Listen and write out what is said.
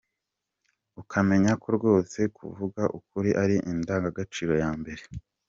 Ukamenya ko rwose kuvuga ukuri ari indangagaciro ya mbere.